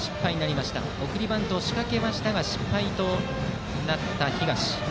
送りバントを仕掛けましたが失敗となった東。